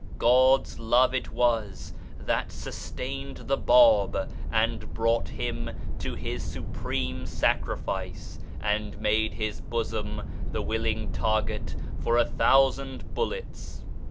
God's Love it was that sustained the Bab and brought him to his supreme sacrifice, and made his bosom the willing target for a thousand bullets.